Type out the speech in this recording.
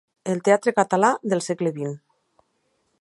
El teatre català del segle vint.